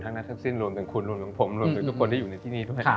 ทั้งนั้นทั้งสิ้นรวมถึงคุณรวมถึงผมรวมถึงทุกคนที่อยู่ในที่นี่ด้วย